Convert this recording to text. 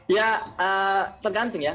ya tergantung ya